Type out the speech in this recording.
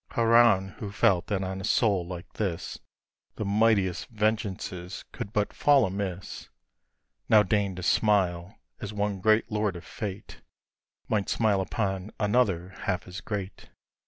" 1871 RAINBOW GOLD Haroun, who felt that on a soul like this The mightiest vengeance could but fall amiss Now deigned to smile, as one great lord of fate Might smile upon another half as great.